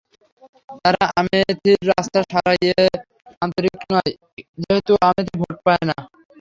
তারা আমেথির রাস্তা সারাইয়ে আন্তরিক নয়, যেহেতু আমেথির ভোট পায় না।